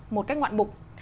một cách ngoạn bục